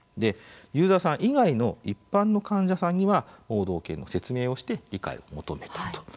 ユーザーさん以外の一般の患者さんには盲導犬の説明をして理解を求めたと。